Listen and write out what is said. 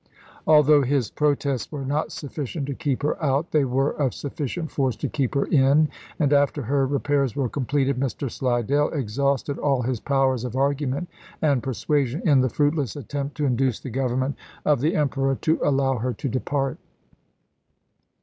Although his protests were not sufficient to keep her out, they were of sufficient force to keep her in, and after her repairs were completed Mr. Slidell exhausted all his powers of argument and persuasion in the fruitless attempt to induce the Government of the THE LAST DAYS OF THE BEBEL NAVY 139 Emperor to allow her to depart.